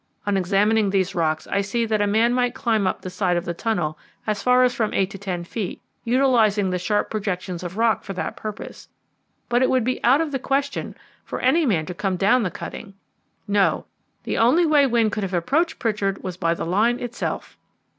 On examining these rocks I see that a man might climb up the side of the tunnel as far as from eight to ten feet, utilising the sharp projections of rock for the purpose; but it would be out of the question for any man to come down the cutting. No; the only way Wynne could have approached Pritchard was by the line itself.